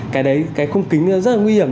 cái đấy cái khung kính rất là nguy hiểm